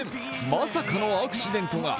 まさかのアクシデントが。